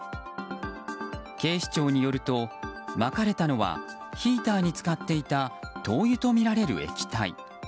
警視庁によると、まかれたのはヒーターに使っていた灯油とみられる液体。